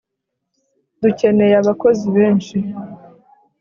dukeneye abakozi benshi